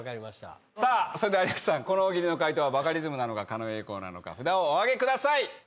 さあそれでは有吉さんこの大喜利の回答はバカリズムなのか狩野英孝なのか札をお上げください。